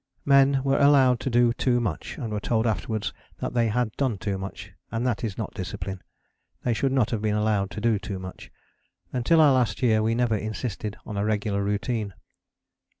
Men were allowed to do too much, and were told afterwards that they had done too much; and that is not discipline. They should not have been allowed to do too much. Until our last year we never insisted on a regular routine.